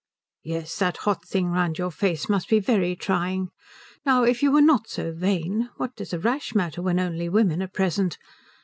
"Yes, that hot thing round your face must be very trying. Now if you were not so vain what does a rash matter when only women are present?